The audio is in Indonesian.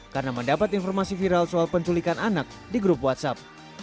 karena mendapat informasi viral soal penculikan anak di grup whatsapp